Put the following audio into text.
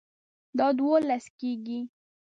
دا دوولس کیږي